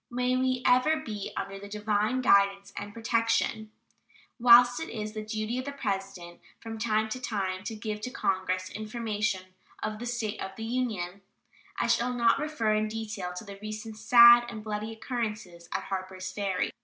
May we ever be under the divine guidance and protection. Whilst it is the duty of the President "from time to time to give to Congress information of the state of the Union," I shall not refer in detail to the recent sad and bloody occurrences at Harpers Ferry.